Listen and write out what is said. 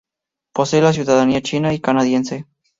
Posee la ciudadanía china y canadiense.